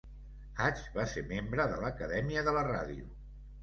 Hatch va ser membre de l'Acadèmia de la Ràdio.